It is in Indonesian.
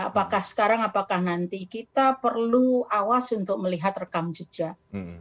apakah sekarang apakah nanti kita perlu awas untuk melihat rekam jejak